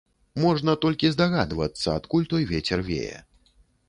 Можна толькі здагадвацца, адкуль той вецер вее.